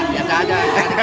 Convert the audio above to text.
iya masak biasa aja